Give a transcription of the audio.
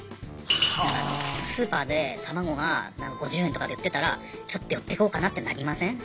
スーパーで卵が５０円とかで売ってたらちょっと寄ってこうかなってなりません？